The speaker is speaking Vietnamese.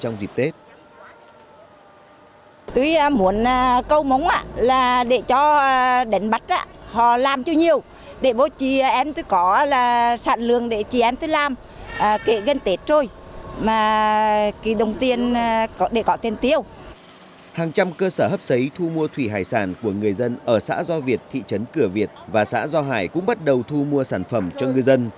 trong dịp tết hàng trăm cơ sở hấp xây thu mua thủy hải sản của người dân ở xã do việt thị trấn cửa việt và xã do hải cũng bắt đầu thu mua sản phẩm cho người dân